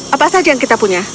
apa saja yang kita punya